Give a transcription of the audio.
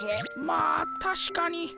まあたしかに。